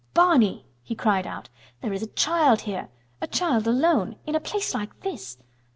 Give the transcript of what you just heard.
"Barney!" he cried out. "There is a child here! A child alone! In a place like this!